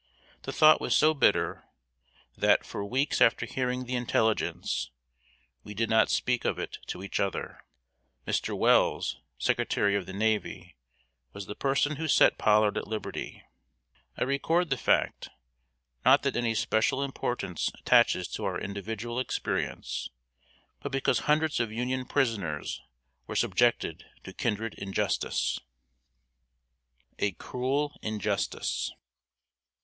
The thought was so bitter, that, for weeks after hearing the intelligence, we did not speak of it to each other. Mr. Welles, Secretary of the Navy, was the person who set Pollard at liberty. I record the fact, not that any special importance attaches to our individual experience, but because hundreds of Union prisoners were subjected to kindred injustice. [Sidenote: A CRUEL INJUSTICE.